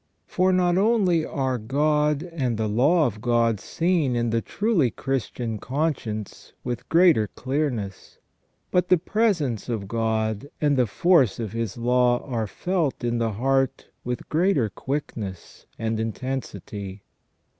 For not only are God and the law of God seen in the truly Christian conscience with greater clearness, but the presence of God and the force of His law are felt in the heart with greater quickness and intensity.